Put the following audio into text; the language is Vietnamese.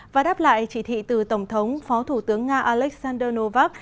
và đáp lại chỉ thị từ tổng thống phó thủ tướng nga alexander novak